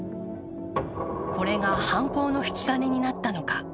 これが犯行の引き金になったのか？